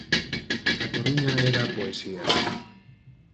A Coruña era a poesía.